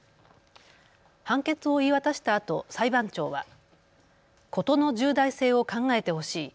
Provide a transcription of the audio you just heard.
判決を言い渡したあと、裁判長は事の重大性を考えてほしい。